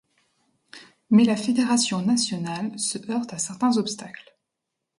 Mais la fédération nationale se heurte à certains obstacles.